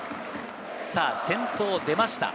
先頭、出ました。